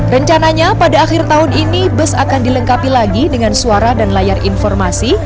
rencananya pada akhir tahun ini bus akan dilengkapi lagi dengan suara dan layar informasi